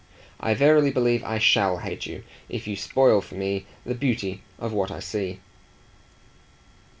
"I verily believe I SHALL hate you if you spoil for me the beauty of what I see!"